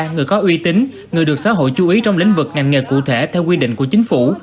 người có uy tín người được xã hội chú ý trong lĩnh vực ngành nghề cụ thể theo quy định của chính phủ